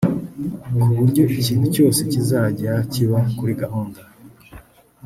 ku buryo ikintu cyose kizajya kiba kuri gahunda